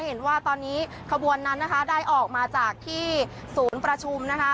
เห็นว่าตอนนี้ขบวนนั้นนะคะได้ออกมาจากที่ศูนย์ประชุมนะคะ